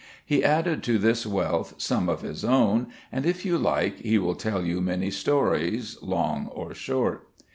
He added to this wealth much of his own and if you like he will tell you many stories, long or short.